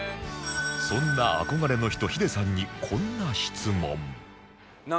そんな憧れの人ヒデさんにこんな質問